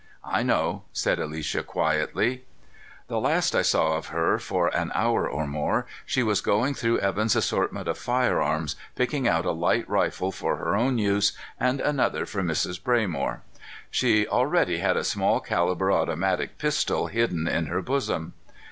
"I know," said Alicia quietly. The last I saw of her for an hour or more, she was going through Evan's assortment of firearms, picking out a light rifle for her own use and another for Mrs. Braymore. She already had a small caliber automatic pistol hidden in her bosom.